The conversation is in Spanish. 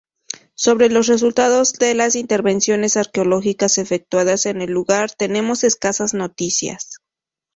Sobre los resultados de las intervenciones arqueológicas efectuadas en el lugar, tenemos escasas noticias.